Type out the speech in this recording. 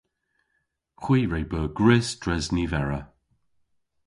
Hwi re beu gwrys dres nivera.